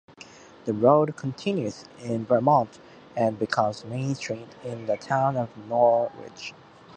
The road continues into Vermont and becomes Main Street in the town of Norwich.